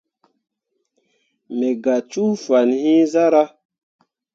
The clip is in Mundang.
Me gah cuu fan iŋ zarah.